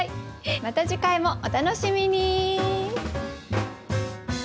また次回もお楽しみに！